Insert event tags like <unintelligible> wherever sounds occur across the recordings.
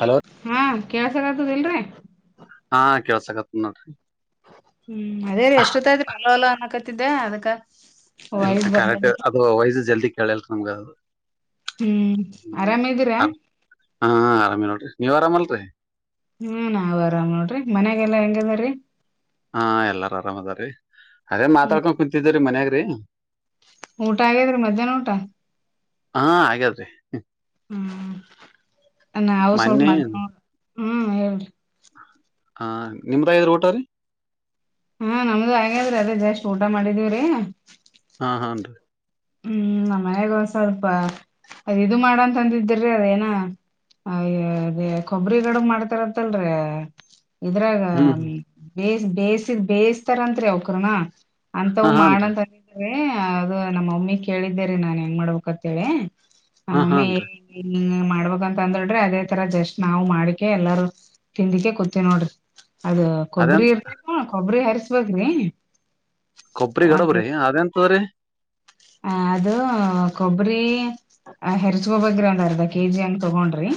Hello ಹಾ ಕೇಳ್ಸ್ಕತದ ಇಲ್ರರಿ. ಹಾ ಕೆೇಸಕ್ತ್ ನೋಡ್ರಿ. ಹ್ಮ್ ಅದೇ ಎಷ್ಟಾತ್ತು ಆಯಿತ್ ಹಲೋ ಹಲೋ ಅನ್ಕತಿದ್ದೆ. ಅದಕ್ಕ, ಇಲ್ ವಾಯ್ಸ್ ಕರೆಕ್ಟ್ ಬರ್ಲಕತ್ತು ಅದು ವಯಸ್ ಜಲ್ದಿ ಕೇಳಿಲ್ರಿ ನಮ್ಗ ಅದು. ಹ್ಮ್ ಆರಾಮ್ದೀರಾ. ನೀವ ಆರಾಮ ಅಲ್ರಿ. ಹ್ಮ್ ನಾವ್ ಆರಾಮ್ ನೋಡ್ರಿ. ಮನ್ಯಾಗೆಲ್ಲಾ ಹೆಂಗರ್ ದ್ರೀ, ಹಾ ಎಲ್ಲಾರ ಆರಾಮ್ ಅದ್ರೀ. ಅದೇ ಹ್ಮ್ ಮಾತಾಡ್ಕೊಂಡ್ ಕುಂತಿದ್ದ್ರರಿ ಮನ್ಯಾಗ್ರಿ. ಊಟ ಆಗೇದ್ರಿ. ಮಧ್ಯಾಹ್ನ ಊಟ. ಹಾ ಆಗ್ಯದ್ರಿ. ಹ್ಮ್ ಅವು ಸ್ವಲ್ಪ ಮೊನ್ನೆ ಮಧ್ಯಾಹ್ನ ಹ್ಮ್ ಹೇಳ್ರಿ. ಹ ನಿಮ್ದ ಆಗ್ಯಾದ್ರಿ ಊಟ ರೀ. ಹಾ ನಮ್ದು ಆಗ್ಯದ್ರಿ ಅದೇ ಜಾಸ್ಟ್ ಊಟ ಮಾಡಿದೀವ್ರಿ. ಹಾ ಹಾನ್ರಿ. ಹ್ಮ್ ನ ಮನ್ಯಾಗ ಸ್ವಲ್ಪ ಅದ ಇದ ಮಾಡಂತ ಅಂದದ್ರಿ ಅದೇನ, ಅಯ ಅದೇ ಕೊಬ್ಬರಿಗಡುಬು ಮಾಡ್ತಾರತ್ತಲ್ರೀ. ಇದ್ರಾಗ ಹ್ಮ್ ಹ್ಮ್ ಬೇಯ ಬೇಯಸಿದ ಬೇಯಿಸತಾರಂರಿ ಅವಕ್ರನಾ. ಹಾ ಅಂತವು ಹಾನ್ರಿ ಮಾಡಂತ ಅಂದಿದ್ರಿ ಅದು ನಮ್ಮ ಮಮ್ಮಿ ಕೇಳಿದ್ದರಿ ನಾನ್ ಹೆಂಗ ಮಾಡ್ಬೇಕಂತೇಳಿ. ಹಾ ನಮ್ಮಮಮ್ಮಿ, ಹಾನ್ರಿ ಇಂಗ್ ಇಂಗ್ ಮಾಡ್ಬೇಕಂತ ಅಂದಳರಿ ಅದೇ ತರ ಜಸ್ಟ್ ನಾವು ಮಾಡಿಕೆ ಎಲ್ಲಾರೂ, ತಿಂದಿಕ್ಕೆ ಕೂತವಿನೋಡ್ರಿ. ಅದ ಅದೇನ್ ಕೊಬ್ಬರಿ ಇರ್ತ ಕೊಬ್ಬರಿ ಹರ್ಚ್ಬೇಕ್ರಿ. ಕೊಬ್ಬರಿ ಗಡಬ್ರಿ ಅದ ಎಂತದ್ರಿ. ಹ ಅದು ಕೊಬ್ಬರಿ, ಆ ಹೆರ್ಚ್ಕೋಕ್ಬೇಕ್ ಒಂದ್ ಅಂರ್ದ ಕೆಜಿ ಅಂಗ್ ತಗೊಂಡ್ರಿ.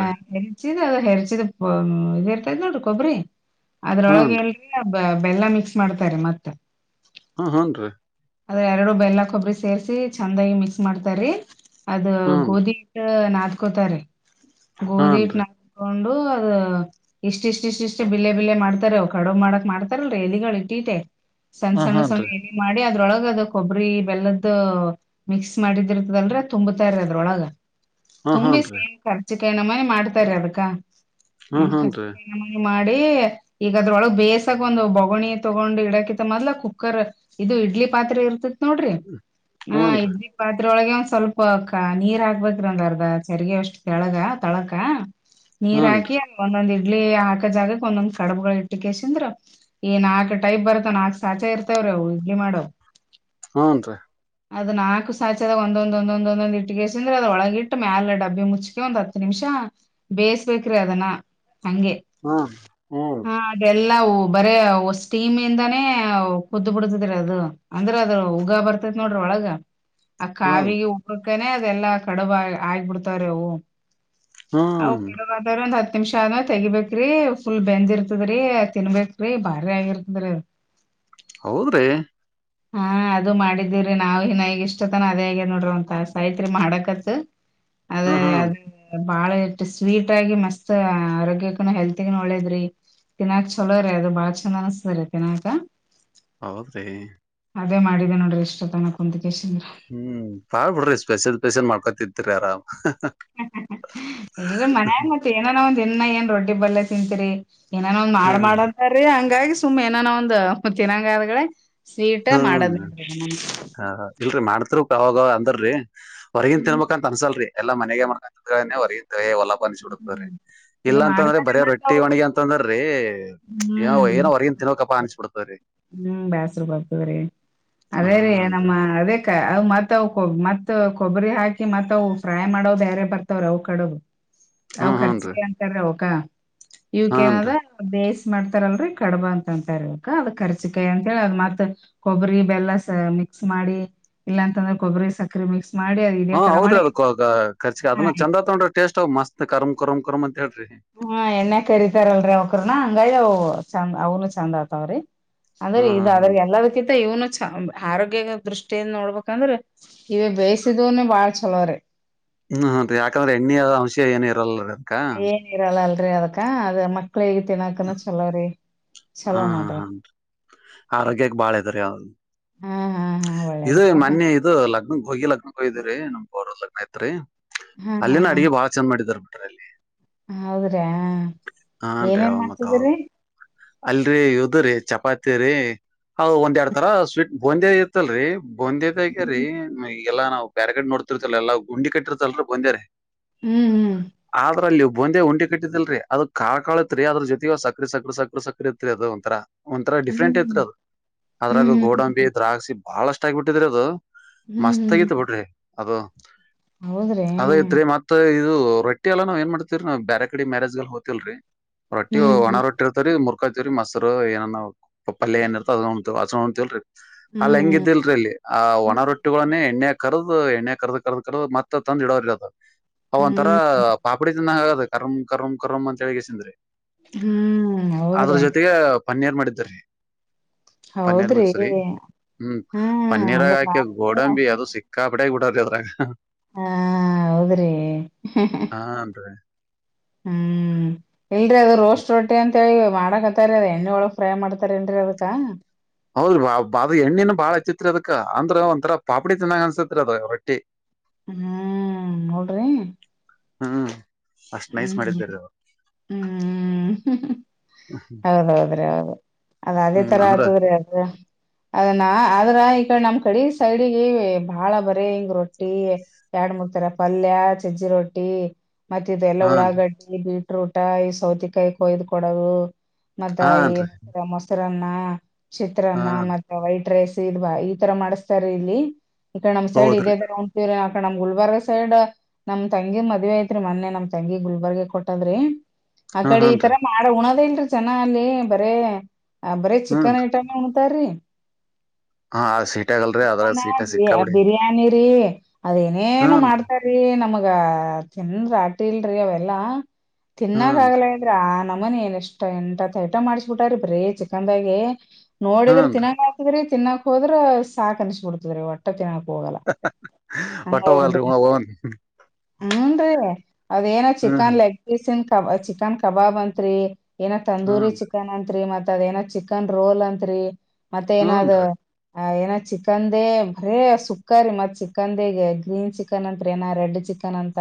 ಆ ಹೆರ್ಚಿದ ಅದ ಹೆರ್ಚಿದ ಇದ ಇರ್ತೈದ್ ನೋಡ್ರಿ ಕೊಬ್ಬರಿ, ಅದ್ರೊಳಗ ಹಾನ್ರಿ ಇಲ್ರಿ ಬೆಲ್ಲ ಮಿಕ್ಸ್ ಮಾಡ್ತಾರಿ. ಮತ್ತ, ಹಾ ಹನ್ರಿ ಅದ್ರ ಎರಡು ಬೆಲ್ಲ ಕೊಬ್ಬರಿ ಸೇರ್ಸಿ ಚೆಂದಾಗಿ ಮಿಕ್ಸ್ ಮಾಡ್ತಾರಿ. ಅದ ಹನ್ ಗೋಧಿಟ್ಟ ನಾದಕೋತಾರೆ. ಗೋಧಿ ಇಟ್ಟ ಹಾನ್ರಿ ನಾದ ಕೊಂಡು ಅದ್ ಇಷ್ಟ ಇಷ್ಟ ಇಷ್ಟ ಇಷ್ಟ್ ಬಿಲ್ಲೆ ಬಿಲ್ಲೆ ಮಾಡ್ತಾರೆವು ಕಡುಬು ಮಾಡಕ್ ಮಾಡ್ತಾರಲ್ರೀ ಎಲ್ಲಿಗಳು ಇಟ್ಟಿಟೆ. ಸಣ್ಣ ಹಾ ಸಣ್ಣ ಸಣ್ಣ ಹಾನ್ರಿ ಎಲಿ ಮಾಡಿ ಅ ಅದ ಕೊಬ್ಬರಿ ಬೆಲ್ಲದ ಮಿಕ್ಸ್ ಮಾಡಿದಿರ್ತದಲ್ರ ತುಂಬತಾರಿ ಅದ್ರೊಳಗ. ಹಾ ತುಂಬಿ ಹಾನ್ರಿ ಸೇಮ್ ಖರ್ಚು ಕಾಯ ನಮ್ಮನೆ ಮಾಡ್ತಾರೆ ಅದಕ ಹಾ ಹಾನ್ರಿ ಖರ್ಚ ಮಾಡಿ ಈಗ ಅದ್ರೊಳಗ್ ಬೇಸಗ ಒಂದು ಬಗಣಿ ತಗೊಂಡ್ ಇಡಕತ್ತ ಮದ್ಲ ಕುಕ್ಕರ್ ಇದು ಇಡ್ಲಿ ಪಾತ್ ಇರ್ತತ್ ನೋಡ್ರಿ ಹಾ ಹನ್ರಿ ಇದ್ರಿ ಪಾತ್ ಹ್ರೊಳಗೆ ಒಂದ್ ಸ್ವಲ್ಪ ನೀರ್ ಹಾಕ್ಬೇಕ್ರಂದ ಅರ್ದ ಚರ್ಗ ಅಷ್ಟ್ ಕೆಳಗ ತೊಳಕ ನೀರ್ ಹನ್ರಿ ಹಾಕಿ ಒಂದೊಂದ ಇ ಇಡ್ಲಿ ಹಾಕ ಜಾಗಕ್ ಒಂದೊಂದ್ ಕಡಬಗಳು ಇಟ್ಟ ಕಸಿಂದ್ರ ಈ ನಾಕಕ್ ಟೈಪ್ ಬರ್ತ್ತಾವ ನಾಕಕ್ ಸಾಚೆ ಇರ್ತವ ಹ ಹಗೆ ಮಾಡೋ ಹನ್ ರರಿ ಅದು ನಾಲ್ಕು ಸಾಯಚದ ಒಂದೊಂದ ಒಂದ ಒಂದೊಂದು ಇಟ್ಟುಗೆೇಸ ಅ್ರೆ ಅದ ಒಳಗಿಟ್ಟ ಮೇಾಲ ಡಬ್ಬೆ ಮುಚ್ಚಚ್ಕ ಒಂದ ಹತ್ತು ನಿಮಿಷ ಬೇ ಅ ಹಗೆ ಹ್ಮ್ ಹಾನ್ರಿ ಹಾನ್ರಿ ಹಾನ್ರಿ ಹಾನ್ ಹ್ಮ್ ಹ ಎಲ್ಲ ಬರೇ ಸ್ಟೀಮ್ ಇಂದಾನೇ ಕುದ್ದು ಬಿಡ್ತಿದ್ರ ಅದು ಅಂದ್ರ ಅದ್ರ ಉಗ ಬರ್ತೇತ್ ನೋಡ್ರಿ ಒಳಗ ಆ ಹ್ಮ್ ಕಾವಿಗೆ ಉಗ ಅ ಅದೆಲ್ಲಾ ಕಡುಬ ಆಗಬಿಡ್ತಾರೆ ಅವು ಅವು ಹ್ಮ್. ಕಡುಬ ಆದ ಹ ನಿಮಿಷ ಆದ್ಮ ತೆಬೇರಿ ಫುಲ್ ಬೆಂದ್ ಇರ್ತದ್ರರಿ ತಿನ್ಬೇಕೇ್ರಿ ಬಾರಿ ಆಗಿರ್ತದ್ರಿ ಹ ಹೌದ್ರಿ ಹಾ ಅದು ಮಾಡಿದೀವ್ರರಿ ನಾವವು ಹನ್ಗ ಇಷ್ಟತನ ಅದೇ ಆಗ ನೋಡ್ರಿ ಒಂತಸ ಆಐತ್ರಿ ಮಾಡಕತ್ ಅದ ಹಾ ಹಾ ಅದ ಬಾಳ ಎಷ್ಟು ಸ್ವೀಟ್ ಆಗಿ ಮಸ್ತ್ ಆರೋಗ್ಯಕ್ಕನು ಹೆಲ್ತ್ಗ ಒಳ್ಳೇದ್ರಿ ತಿನಾಕ್ ಚಲೋ ರೇ ಅದು ಬಾಳ ಚಂದ ಅನಿಸಸ್ತ ರೀ ತಿನಾಕ ಹೌದ್ರಿ. ಅದೇ ಮಾಡಿದೆ ನೋಡ್ರಿ ಇಷ್ಟೊ ತನ ಕುಂತಿಕೇಶ ಹ್ಮ್ ಬಾ ಬಿಡ್ರಿ ಸ್ಪೆಷಲ್ ಸ್ಪೆಷಲ್ ಮಾಡ್ಕೊತತ್ರಿ ಆರಾಮ್ ಇಲ್ರಿ ಮನ್ಯನ್ ಮತ್ತ ಏನನ ಒಂದ ಇನ್ನ ಏನ್ ರೊಟ್ಟಿ ಬಲ್ಲೆ ತಿಂತೀರಿ ಏನನ ಒಂದ್ ಹ್ಮ್, ಮಾಡಂತ್ರರಿ ಹಂಗಾಗಿ ಸುಮ್ಮ್ ಏನಾನೋ ಒಂದ್ ತಿನಂಗಾದಗಳ ಸೀಟ ಹ್ಮ್. ಮಾಡದಡ ೋಗ ಅಂದ್ರೀ ಹೊರಗಿನ ಹ್ಮ್ ತಿನ್ಬೇಕಂತ ಅನ್ಸಲ್ರಿ ಎಲ್ಲ ಮನೆಕ ಹೊರಗಿ ನಿಸಿಬ ಬಿಡತಾರೆ ಹ್ಮ್ ಇದು ಇಲ್ಲಾ ಅಂತಂದ್ರೆ ಮಾಡ್ತಾನೆ ಬರ ಮತ್ ರೊಟ್ಟಿ ಅವು ಒಣಗಿ ಅಂತಂದ್ರೀ ಏನ್ ಹ್ಮ್ ಏನೋ ವರ ತಿನೋ ಕಪ್ಪಾ ಅಂಚು ಬಿಡ್ತಾರೆ ಹ್ಮ್ ಬ್ಯಾಸರ ಬರ್ತದ್ರಿ ಅದೇ ರೀ ನಮ್ಮ ಅದ ಅ ಮತ್ ಮತ್ ಮ ಕೊಬ್ಬರಿ ಹಾಕಿ ಮತ್ತವು ಫ್ರೈ ಮಾಡೋದು ಬೇರೆ ಬರ್ತವ್ರ ಅವು್ ಕಡ ಅವ ಹ್ಮ್, ಹೂನ್ರಿ. ಖರ್ಚಿಗೆ ಅಂತಾರ ಅವಕ ಹಾನ್ರಿ. ಇವಕೇಏನದ ೇಸ್ ಮಾಡ್ತಾರಲ್ರರಿ ಕಡಬಾ ಅಂತ ಅಂತ ಇರ್ಬೇಕ ಅದ ಕರ್ಚಿಕಾಯಿ ಅಂತ ಹೇಳಿ ಅ ಮತ್ ಕೊಬರಿ ಬೆಲ್ಲ ಮಿಕ್ಸ್ ಮಾಡಿ ಇಲ್ಲಾಂತಂದ್ರೆ ಕೊಬ್ಬರಿ ಸಕ್ರೆ ಮಿಕ್ಸ್ ಮಾಡಿ ಅದ್ ಇದೇ ಹ ತರ ಹೌದ್ರಿ ಮಾಡಿ ಅದ ಕರ್ಿ ಹಾ ಅದನ್ನ ಚೆರ ತೊಂಡ್ರ ಟೇಸ್ಟ್ ಮತ್ ಕರ್್ ಕರಮ್ ಕರ್ಮ್ ಹಾ ಎಣ್ಣ ಕರತಾರಲ್ರರಿ ಅವಕ್ರನ ಹಂಗೈ ಚಂದ ಅವ್ನು ಚಂದ ಆತವ್ರಿ ಹಾ, ಅದ್ರೆ ಹಾ, ಇದು ಹಾ. ಆದದ್ರ ಎಲ್ಲದಕ್ಕಿಂತ ಇವನು ಆರೋಗ್ಯ ದೃಷ್ಟಿಯಿಂದ ನೋಡ್ಬೇಕಂದ್ರೆ ಇವ ಬೇಯಿಸಿದ್ನನೆ ಬಾಳ್ ಚಲೋರ ಹ್ಮ್ ಯಾಕಂದ್ರೆ ಎಣ್ಣೆಯ ಅಂಶ ಏನ ಇರಲ್ಲ ಏನ್ ಇರಲ್ಲ ಅಲ್ರಿ ಅದಕ್ಕ ಅದ ಮಕ್ಳ ಹೇಗ ತಿನ್ನಾಕನ ಚಲೋವ್ರರಿ ಹಾ ಹಾ ಹ ಆರೋಗ್ಯಕ್ ಬಾಳ ಇದದ ರೀ ಅವದು ಹಾ ಹಾ ಹಾ ಇದು ಒಳ್ಳೇದ್ರಿ ಹಾ ಮೊನ್ನಿ ಇದು ಲಗ್ನ ಹೋಗಿ ಲಗ್ನಕ್ಕೆಯ್ದಿರಿ ನಮ್ ಅವರ್ ಲಗ್ನ ಐತ್ರಿ ಹಾ ಅಲ್ಲಿನ ಅಡಗೆ ಭಾ ಚಂದ ಮಾಡಿದಾರ್ ಬಿಟ್ರೆ ಅಲ್ಲಿ ಹೌದ್ರಿ ಹಾನ್ರಿ ಏನೇನ್ ಅವ ಮತ್ ಮಾಡ್ತಿದ್ರೀ ಅಲ್ರರಿ ಇದು್ರೀ ಚಪಾತಿ ರೀ ಹ ಒಂದ್ ಎರಡ್ ತರ ಸ್ವೀಟ್ ಬಂದೇದ್ ಇತ್ತಲ್ರರಿ ಬಂದೇದಗ್ಯರೀ ಹ್ಮ್ ಎಲ್ಲಾ ನಾವವು ಪ್ಯಾರಗೇಡ್ ನೋಡ್ತಿರ್ತಲ್ಲ ಎಲ್ಲ ಗುಂಡಿ ಕಟ್ಟಿರ್ತಲ್ ಬಂದಾರೆ ಹ್ಮ್ ಆದ್ರಲ್ಲಿ ಒಂದೇ ಉಂಡಿ ಕಟ್ಟಿದಿಲ್ರರಿ ಅದು ಕಾ ಕಾತ್ರಿ ಅದ್ರ ಜೊತೆಗ ಸಕ್ರ ಸಕ್ರ ಸಕ್ರ ಸಕ್ರ ಇತ್ರಿ ಅದ ಒಂಥರ ಒಂಂತರ ಡಿಫ್ರೆಂಟ್ ಐತ್ರಿ ಹ್ಮ್ ಅದು ಅದ್ರಾಗ ಹ್ಮ್ ಹ್ಮ್ ಗೋಡಂಬಿ ದ್ರಾಕ್ಷಿ ಬಹಳಷ್ಟ ಆಗಿಬಿಟ್ಟಿದ್ರರಿ ಅದು ಹ್ಮ್ ಹ್ಮ್ ಮಸ್ತ್ಗತ್ತು ಬಿಡ್ರಿ ಅದು ಹೌದ್ರಿ ಅದ ತ್ೆ ಮತ್ತ ಇದು ರೊಟ್ಟಿ ಎಲ್ಲ ನಾವ್ ಏನ್ ಮಾಡ್ತವರಿ ನವು ಬೇರೆ ಕಡೆ ಮ್ಯಾರೇಜ್ ಅಲ್ಲಿ ಹೋ್ತಿಲ್ರಿೀ ರೊಟ್ಟಿ ಒಣ ಹ್ಮ್ ರಟ್ಟಿ ಮುರ್ಕತವ್ರರಿ ಮಸರು ಏನೆನವಾ ಪಲ್ಯ ಇರ್ತ ಅದ ಉಣ್ತಿವರಿ ಅದ ಉಣ್ತಿವರಿ ಅಲ್ಲ ಹೆಂಗ ಹ್ಮ್ ಇದಿಲ್ರಿ ಇಲ್ಲಿ ಆ ಒಣ ಹ್ಮ್ ರೊಟ್ಟಿಗಳನ್ನೇ ಎಣ್ಣೆ ಕರ್ದು ಎಣ್ಣೆ ಕರ್ದ ಕರ್ದ ಕರ್ದು ಮತ್ತ ತಂದ್ ಇಡೋ ಇರ ಅವ ಒಂಥರ ಹ್ಮ್ ಪಾಪಡಿ ತಿನ್ನಂಗಾಗತ್ ಕರ್ಂ ಕರುಮ್ ಕರುಮ್ ಅಂತ ಹೇಸಿದ್ರೆ. ಹ್ಮ್ ಅದ್ರ ಹೌದ್ರಿ ಜೊತೆಗೆ ಪನ್ನೀರ್ ಮಾಡಿದ್ದೊ ರೀ. ಹೌದ್ರಿ? ಹ್ಮ್ ಹ್ಮ್ ಪನ್ನೀರಾಗ ಅಂದ್ರ ಹಾಕ್ಯ ಬಾರಿ ಬಿಡು ಗೋಡಂಬಿ ಅದು ಸಿಕ್ಕಾಪಟ್ಟೆ ಊಟ ಅದ್ರಾಗ. ಹಾ ಹೌದ್ರಿ? ಹಾನ್ರಿ ಹ್ಮ್ ಇಲ್ರಿ ಅದು ರೋಸ್ಟ್ ರೊಟ್ಟಿ ಅಂತ ತೇ ಮಾಡಕತ್ತಾರಿ ಎಣ್ಣೆ ಒಳಗ್ ಫ್ರೈ ಮಾಡ್ತಾರ ಏನ್ರಿ ಅದಕ್ಕ. ಹೌದ್ ಮ ಅದ್ ಎಣ್ಣಿನ ಬಾಳ ಹಚ್ಚಿತ್ರಿ ಅದಕ ಅಂದ್ರ ಒಂತರಾ ಪಾಪಡಿ ತಿನ್ನಂಗ ಅನ್ಸತ್ರಿ ಅದ್ ರೊಟ್ಟಿ. ಹ್ಮ್ ನೋಡ್ರಿ ಹ್ಮ ಹ್ಮ್ ಹ್ಮ್ ಹೌದೌದ್ರಿ ಹೌದು ಅದ್ ಅದೇ ಹ್ಮ್ ತರ ಅಂದ್ರ ಆಗ್ತದ್ರೀ ಅದ. ಅದನ್ನ ಆದ್ರ ಈ ಕಡೆ ನಮ್ ಕಡೆ ಸೈಡಿಗೆ ಬಾಳ ಬರೆ ಇಂಗ್ ರೊಟ್ಟಿ ಎರಡ್ ಮೂರ್ತರ ಪಲ್ಯ ಸಜ್ಜಿ ರೊಟ್ಟಿ ಮತ್ತ ಇಲ್ಲಾ ಹಾನ್ರಿ ಉಳ್ಳಾಗಡ್ಡಿ ಬೀಟ್ರೂಟ ಈ ಸೌತೆಕಾಯಿ ಕೊಯ್ದ್ ಕೊಡೋದು. ಮತ್ತ ಈ ಹಾನ್ರಿ ಮ ಮೊಸರನ್ನ ಚಿತ್ರನ್ನ ಹಾನ್ರಿ ಮತ್ತ ವೈಟ್ ರೈಸ್ ತೇಲ್ವಾ ಈ ತರ ಮಾಡಿಸತಾರೆ ಇಲ್ಲಿ ಈತರ ನಮ್ ಸೈಡ್ ಇದದೆ ಹೌದ್ರಿ ತರ ಅ ನಮ್ ಗುಲ್ಬರ್ಗಾ ಸೈಡು ನಮ್ ತಂಗಿ ಮದ್ವೆ ಆಯ್ತ್ರಿ ಮೊನ್ನೆ ನಮ್ ನಮ್ ತಂಗಿಗ್ ಗುಲ್ಬರ್ಗ ಕೊಟ್ಟದ್ರೆ ಆ ಹಾ ಕಡೆ ಈ ಹಾನ್ರಿ ತರ ಮಾಡ ಉಣದ ಇ ಜನ ಅಲ್ಲಿ ಬರೇ ಬರೆ ಚಿಕನ್ ಹೂನ್ರಿ ಐಟಮ್ ಉಣತಾರೀ. ಹಾ ಬರೀ ಸೀಟ್ಯಾಗಲ್ರಿ ಅದ್ರಾಗ ಸೀಟ ಚಿಕನ್ನ್ ಸಿಕ್ಕಾಬಿಡಿ ಬಿರಿಯಾನಿ ಅದೇನೇನು ಹೂನ್ರಿ ಮಾಡ್ತಾರೀ ನಮಗ ತಿಂದ್ರ ಆ ಇಲ್ರಿ ಅವೆಲ್ಲ ತಿನ್ನಾಗ ಹೂನ್ರಿ ಆಗಲ್ಲೇಳ್ರಿ ಆ ನಮ್ಮನಿ ಏನ್ ಎಷ್ಟ ಎಂಟತ್ ಐಟಮ್ ಮಾಡ್ಸ್ಬಿಟಾರಿ ಬರೀ ಚಿಕನ್ದಾಗೆ. ನೋಡಿದ್ರ ಹೂನ್ರಿ ತಿನಾಂಕ ಆತದ್ರರಿ ತಿನ್ನಾಕ್ ಹೋದ್ರ ಸಾಕ್ ಅನ್ಸಬುಡ್ತದ್ರೀ ಹೊಟ್ಟೆ ತಿನ್ನಾಕ್ ಹೋಗಲ್ಲ ಹೊಟ್ಟೆ ಹೋಗಲ್ರೀ ಹೂನ್ರೀ ಅದೇನ್ ಹ್ಮ್ ಚಿಕನ್ ಲೆಗ್ ಪೀಸಿನ್ ಕಬ ಚಿಕನ್ ಕಬಾಬ್ ಅಂತ್ರಿ. ಏನೊ ತಂದೂರಿ ಹ್ಮ್ ಚಿಕನ್ ಅಂತ್ರಿ ಮತ್ ಅದ ಏನ ಚಿಕನ್ ರೋಲ್ ಅಂತ್ರಿ. ಮತ್ತೆ ಏನಾದು ಹೂನ್ರಿ ಆ ಏನ ಚಿಕಂದೇ ಬರೇ ಸುಕ್ಕ ರಿ ಮತ್ ಚಿಕನ್ದೇ ಗ್ರೀನ್ ಚಿಕನ್ ಅಂತ್ರೆ ಏನ ರೆಡ್ ಚಿಕನ್ ತಾನಂತ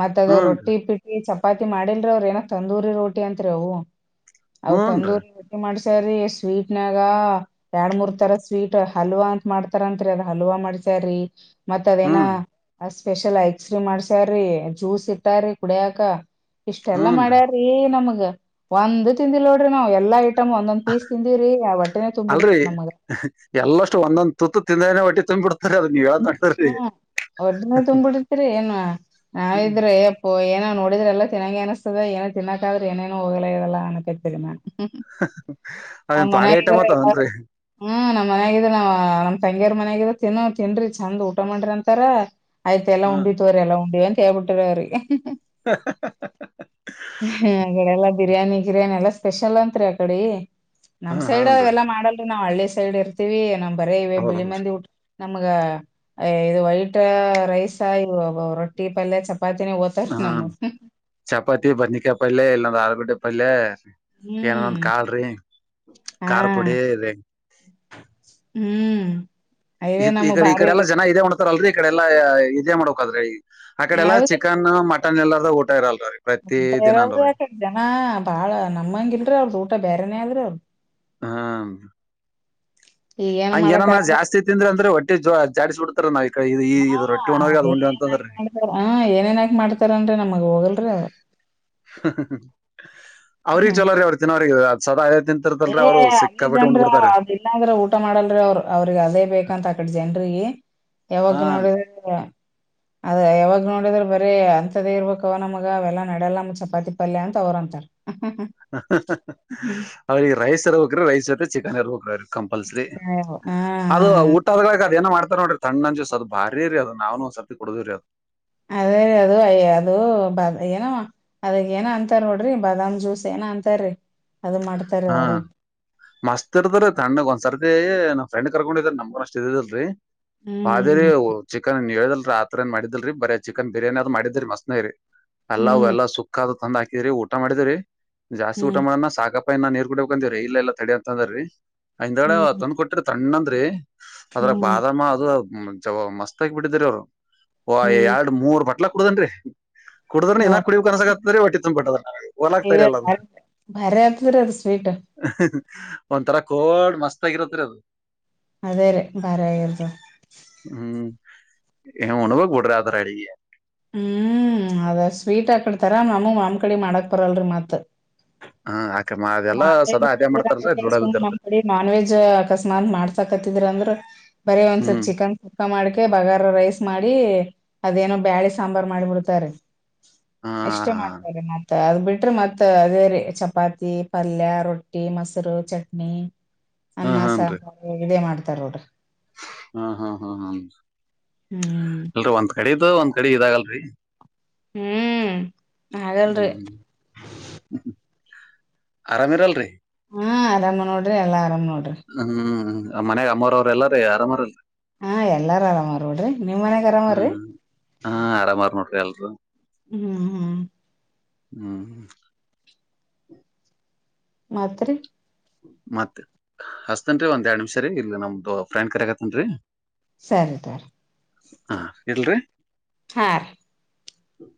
ಮತ್ ಅದ ಹೂನ್ರಿ ರೊಟ್ಟಿ ಪಿಟ್ಟಿ ಚಪಾತಿ ಮಾಡಿಲ್ರಿ ಅವ್ರ ಏನ ತಂದೂರಿ ರೋಟಿ ಅಂತ್ರಿ ಅವು. ಅವ ಹೂನ್ರಿ ತಂದೂರಿ ರೊಟ್ಟಿ ಮಾಡ್ಸ್ ತರಿ ಸ್ವೀಟ್ನಾಗ ಎರಡ್ ಮೂರ್ ತರ ಸ್ವೀಟ್ ಹಲ್ವಾ ಅಂತ ಮಾಡ್ತಾರಂತ್ರಿ ಅದ ಹಲ್ವಾ ಮಾಡ್ಸ್ ತ್ತಾರಿ. ಮತ್ ಅದೇನ ಹ್ಮ್ ಸ್ಪೆಷಲ್ ಐಸ್ಕ್ರೀಮ್ ಮಾಡ್ಸ್ಯಾರ್ರೀ ಜ್ಯೂಸ್ ಇಟ್ಟ್ಯಾರೀ ಕುಡಿಯಾಕ ಇಷ್ಟೆಲ್ಲಾ ಹೂನ್ರಿ ಮಾಡ್ಯಾರೀ ನಮಗ ಒಂದೂ ತಿಂದಿಲ್ ನೋಡ್ರಿ ನಾವ್ ಎಲ್ಲಾ ಇ ಅಲ್ರಿ ತುಂಬ್ಬಿಡ್ತ್ರಿ ನಮಗ ಎಲ್ಲಷ್ಟು ಒಂದೊಂದು ತುತ್ತು ತಿಂದೇನೆ ಹೊಟ್ಟಿ ತುಂಬಿಡುತ್ತೆ ರೀ ಅದು. ಹ್ಮ ಒಡನೆೇ ತುಂಬ್ಬಿಡ್ತಿರಿ ಏನ್ ಹ್ಮ್ ನಾವಿದ್ರ ಯಪ್ಪೋ ಏನ ನೋಡಿದ್ರೆಲ್ಲ ತಿನ್ನಂಗಿ ಅನಸ್ತದೆ ಏನ ತಿನ್ನಕಾದ್ರೆ ಏನೇನು ಹೋಗಲ ಇರಲ್ಲ ಅನ್ನಕತ್ತಿರಿ ನಾನ್ <unintelligible> ಅದೇನ್ ತ್ವಾಡೆ ಐಟಮ್ ಅದಾವೇನ್ರಿ ಹ್ಮ್ ನಮ್ಮ್ ಮನ್ಯಾಗಿದ್ರೆ ನಾವ ನಮ್ಮ ತಂಗಿಯರ್ ಮನ ತಿನ್ರಿ ಚಂದ್ ಊಟ ಮಾಡ್ರಿ ಅಂತಾರ ಆಯ್ತ ಎಲ್ಲ ಹಾ ಉಂಡ್ವಿ ತಗೊರಿ ಎಲ್ಲ ಉಂಡ್ವಿ ಅ ಹೇಳ್ಬಿಟ್ರಿ ಅವರಿಗೆ ಆಕಡೆಲ್ಲ ಬಿರ್ಯಾನಿ ಬಿರ್ಯಾನಿ ಎಲ್ಲಾ ಸ್ಪೆಷಲ್ ಅಂತ್ರಿ ಅಕಡೆ ಹಾ ನಮ್ ಸೈಡ್ ಅವ ಹಾನ್ರಿ ಎಲ್ಲ ಮಾಡಲ್ ರೀ ನಾವವು ಹಳ್ಳಿ ಸೈಡ್ ಇರ್ತೀವಿ ನಮ ಬರೇ ಇವೆ ಬಿಳಿ ಹೌದೌದು ಮಂದಿ ಉಟ್ ನಮ್ಗ ಅ ಇದು ವೈಟ್ ರೈಸ್ ಇ ರೊಟ್ಟಿ ಪಲ್ಯ ಚಪ್ಪ ಹ್ಮ ಚಪಾತಿ ಬದನೆಕಾಯ ಪಲ್ಯ ಇಲ್ಲಾಂದ್ರ ಆಲಬಿಡ್ಟ್ಟ ಪಲ್ಯ ಏನಾರೊ ಹ್ಮ್ ಒಂದ ಕಾಳ್ರಿ ಹಾ ಖಾರ ಪುಡಿರಿ ಹ್ಮ್ <unintelligible> ಇ ಅಯ್ಯೇ ನಮಗ್ ಈಡೆ ಈ ಕಡೆ ಭಾರಿ ಎಲ್ಲಾ ಜನ ಇದೆ ಉ ಲ್ರಿ ಈಕಡೆ ಎಲ್ಲಾ ಇದೇ ಮಾಡಕ್ದ್ರ ಆಕಡೆ ಎಲ್ಲ ಹೌದ್ರಿ ಚಿಕನ್ ಮಟನ್ ಎಲ್ಲ ಊಟ ಇರಲ್ರಿ ಪ್ರತಿ ಊಟ ಇರಾದ ದಿನಾನುರಿ ಯಾಕ ಜನ ಬಾಳ ನಮ್ಮಂಗ ಇಲ್ರೀ ಅವ್ರ ಊಟ ಬೇರೆನೆೇ ಆದ್ರಿ ಅವ್ರು ಹ್ಮ ಈಗೇನ್ ಹಂಗ ಏನ ನ ಮಾಡಕ್ಕಾಗಲ್ಲ ಜಾಸ್ತಿ ತಿಂದ್ರ ಅಂದ್ರೆ ಒಟ್ಟಿ ಜಾಿಸಬ ಬಿಡ್ತಾರ ಕಡೆ ಹಾ ಇದು ರೊಟ್ಟಿ ಉಣೋರಿಗೆ ಅದ್ ಉಂಡಿ ಏನ ಅಂತಂದ್ರಿ ಮಾಡ್ತಾರ ಹ್ಮ ಏನೇನ್ಾಕ ಮಾಡ್ತಾರನ್ರಿ ನಮಗ್ ಹೋಗಲ್ರೀ ಅವ ಹ್ಮ ಅವ್ರ ಹ್ಮ್ ಚಲೋ ರೀ ಅವ್ರು ತಿನ್ನೋ್ರಿಗೆ ಸದ ಅದೇ ತಿ ಏ ಅಲ್ಲಿ ಜನ್ರ ಅದ ಇಲ್ಲಂದ್ರ ಊಟ ಮಾಡಲ್ರಿ ಅವ್ರರು ಅವ್ರಿಗೆ ಅದೇ ಬೇಕಂತ ಆಕಡೆ ಜನ್ಗ ಯಾವಕ್ ಹಾ ನೋಡಿದ ಅದ ಯಾವಾಗ ನೋಡಿದ್ರ ಬರೀ ಅಂತದೇ ಇರ್ಬೇಕ ಅವ ನಮಗ ಅವೆಲ್ಲ ನಡಲ್ಲ ನಮ ಚಪಾತಿ ಪಲ್ಯ ಅಂತ ಅವ್ರಂತಾರ ಅವರಿಗೆ ರೈಸ್ ಇರಬೇಕ್ರೀ ರೈಸ್ ಇರುತ್ತತೆ ಚಿಕನ್ ಇರ್ಬೇಕ್ರೀ ಕಂಪಲ್ಸರಿ ಹಾ ಹಾ ಅದು ಊಟದ ಅದ ಏನ ಮಾಡ್ ಅಂತ ನೋಡ್ರಿಣ್ಣ ಅಜಸಸ್ ಅದು ಭಾರಿ ರರಿ ಅದು ನಾವ್ ಒ ಸರ್ತಿ ಕುಡುದೀ್ರರಿ ಅದು ಅದ ಅದು ಅದು ಬ್ ಏನೋ ಅದ ಏನ ಅಂತಾರ ನೋಡ್ರಿ ಬಾದಾಮ್ ಜ್ಯೂಸ್ ಏನ ಅಂತಾರಿ ಹಾ ಮಸ್ತ್ ಇರ್ದ್ರೀ ತಣ್ಣಗ್ ಒಂದ್ಸರ್ತಿ ಫ್ರೆಂಡ್ ಕರ್ಕೊಂಡಿದ ನ ಅಷ್ಟ ಇದಲ್ರಿ ಆದೇರಿ ಹ್ಮ್ ಚಿಕನ್ ಹೇಳ ರಾತ್ ಏನ್ ಮಾಡಿದಿಲ್ರಿ ಬರ ಚಿಕನ್ ಬಿರಿಯಾನಿ ಅ್ ಮಾಡಿದ್ರಿ ಮಸ್ತ್ನ ರರಿ ಎಲ್ಲಾ ಹ್ಮ್ ಎಲ್ಲಾ ಸುಕ್ಕಾದ ತಂದ್ ಹಾಕಿದ್ರರಿ ಊಟ ಮಾಡಿದ್ರರಿ ಹ್ಮ್ ಜಾಸ್ತಿಊಟ ಮಾಡ್ ಸಾಕಪ್ಪ ಅಪ್ಪ ಇನ್ನ ನೀರ್ ಕುಡಬೇಕಕ್ ಅಂತೀವ್ರೀ ಇಲ್ಲ ಎಲ್ಲ ತಡೆ ಅಂತಂದ್ರರಿ ಹಿಂದಾಳ ಹ್ಮ್ ಹ್ಮ್ ತಂದ್ ಕೊಟ್ರರಿ ತಣ್ಣ ಅಂದ್ರಿ ಅದ್ರ ಹ್ಮ್ ಬಾದಾಮ ಅದು ಜ ಮಸ್ತ ಆಗ ಬಿಟ್ಟಿದ್ರ ಅವರು ಹ್ಮ್ ಎರಡ್ ಮೂರ್ ಬಟ್ಲ ಹಡದನ್ರಿ ಕುಡದ್ರ ಇನ್ನ ನೋಡ್ರಿ ಕುಡ ಕನ್ಸಕ ಆತಾರ ಒಟ್ಟಿ ತಂದ ಬಟ್ಟದ್ರ ಹೊಲ ಆಗ್ತಾರಲ್ಲ ಅದು ದರ ಅದು ಸ್ವೀಟ್ ಒಂಥರ ಕೋಡ್ ಮಸ್ತ್ ಆಗಿರತ್ರಿ ಅದು ಅದೇ ರ ಭಾರಗರುದ ಇನುವಾಗ ಗುಡರತ ರಡಿ ಹ್ಮ್ ಅದ ಸ್ವೀಟ್ ಆಾಕಡ್ತಾರ ನಮೂ ಮಾಮ್ ಕಡಿ ಮಾಡಕ್ ಬರಲ್ರರಿ ಮತ್ ಹಾ ಆಕಮ್ಮ ಅದೆಲ್ಲಾ ನಾನ್ ವೆಜ್ ಸದಾ ಅದೇ ಮಾಡಿದ್ರ ಮಾಡ್ತಾರಲ್ರಿ ಅಂದ್ರ ದುಡ ಸು್ ಬಿದ್ದಿರ್ತರಿ ನಮ್ಮ್ಡಿ ನಾನ್ ವೆಜ್ ಅಕಸ್ಮಾತ್ ಮಾಡ್ಸಾಕತ್ತಿದ್ರ ಅಂದ್ರ ಬರೀ ಒಂದ್ ಸ್ವಲ್ಪ ಹ್ಮ್ ಚಿಕನ್ ಕುಕ್ಕ ಮಾಡ್ಕೆ ಬಗಾರ ರೈಸ್ ಮಾಡಿ ಅದೇನೋ ಬ್ಯಾಳೆ ಸಾಂಬಾರ್ ಮಾಡಿಬಿಡ್ತಾರೆ ಹಾ ಎಷ್ಟೇ ಮಾಡ್ತಾರೆ ಮ ಅದು ಬಿಟ್ರೆ ಮತ್ತ ಅದೇ ರೀ ಚಪಾತಿ ಪಲ್ಯ ರೊಟ್ಟಿ ಮೊಸರು ಚಟ್ನಿ ಹಾ ಅನ್ನ ಹಾನ್ರಿ ಸಾಂಬಾರು ಇದೇ ಮಾಡ್ತಾರ ನೋಡ್ರಿ ಹಾ ಹಾ ಹಾ ಹಾ ಹ್ಮ್ ಕಡೆದು ಒಂದ್ ಕಡೆ ಇದಾಗಲ್ರರಿ ಹ್ಮ್ ಆಗಲ್ರಿ ಹ್ಮ್ ಆರ ಮೆರಾಲ್ ರ ಹಾಂರಾಮಮ ನೋಡಿ್ರೆ ಎಲ್ಲ ಆರಭ ಹ್ಮ್ ಮನ್ಯಾಗ ಅಮ್ಮರ ಅವ್ರ ಎಲ್ಲಾರೀ ಆರಾಮರಲ್ಲ ಹಾ ಎಲ್ಲಾರು ಆರಾಮಾರ ನೋಡ್ರಿ ನಿಮ್ ಮನ್ಯಾಗ ಹ್ಮ ಆರಾಮಾರ್ರೀ ಹ ಹಾ ಅಡೆಮಾರ ನಟ್ರಲ್ಲ ಹ್ಮ್ ಹ್ಮ್ ಹ್ಮ್ ಹ ಮಾತ್ರೆ ಮತ್ತತ್ ಹಸ್ತೇನ್ರಿ ಒಂದ್ ಎರಡ್ ನಿಮಿಷ ರೀ ಇಲ್ಲಿ ನಮ್ದು ಫ್ರೆಂಡ್ ಕರಗತನ್ರರಿ ಸರಿ ತೋರಿ ಹಾ ಎಲ್ರಿ ಹಾ ಹ್ಮ